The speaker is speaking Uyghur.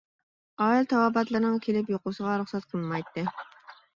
ئائىلە تاۋابىئاتلىرىنىڭ كېلىپ يوقلىشىغا رۇخسەت قىلىنمايتتى.